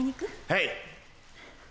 はい。